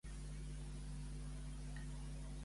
A quines construccions ho preveu, però, Espanya?